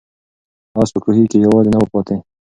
آس په کوهي کې یوازې نه و پاتې.